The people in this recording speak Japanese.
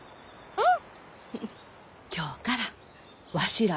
うん。